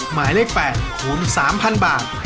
หมายเลข๘คูณ๓๐๐๐บาท